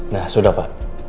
nah sudah pak